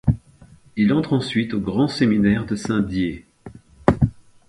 Il entre ensuite au grand séminaire de Saint-Dié.